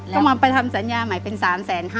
ก็มาทำสัญญาใหม่เป็น๓๕๐๐๐๐บาท